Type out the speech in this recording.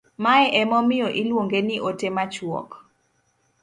mae emomiyo iluonge ni ote machuok